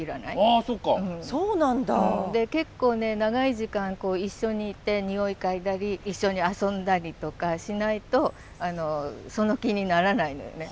で結構ね長い時間一緒にいて匂い嗅いだり一緒に遊んだりとかしないとその気にならないのよね。